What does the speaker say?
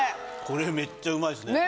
これめっちゃうまいっすね。